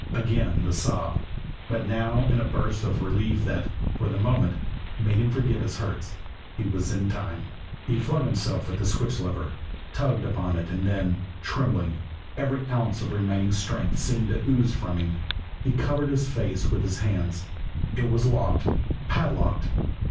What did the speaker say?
Again the sob but now in a burst of relief that, for the moment, made him forget his hurts. He was in time! He flung himself at the switch lever, tugged upon it and then, trembling, every ounce of remaining strength seeming to ooze from him, he covered his face with his hands. It was locked padlocked.